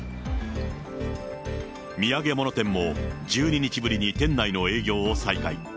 土産物店も１２日ぶりに店内の営業を再開。